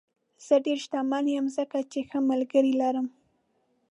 زه ډېر شتمن یم ځکه چې ښه ملګري لرم.